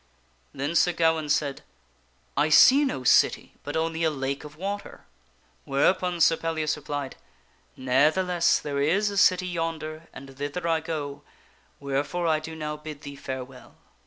Then Sir Gawaine said, " I see no city but only a lake of water." 278 THE STORY OF SIR PELLIAS Whereupon Sir Pellias replied, " Ne'theless, there is a city yonder and thither I go, wherefore I do now bid thee farewell."